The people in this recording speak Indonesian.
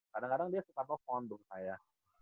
kadang kadang dia suka nelfon dong saya